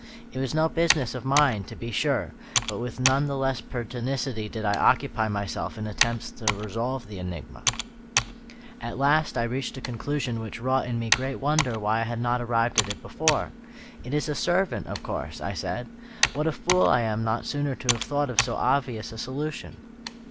It was no business of mine, to be sure; but with none the less pertinacity did I occupy myself in attempts to resolve the enigma. At last I reached a conclusion which wrought in me great wonder why I had not arrived at it before. "It is a servant, of course," I said; "what a fool I am not sooner to have thought of so obvious a solution!"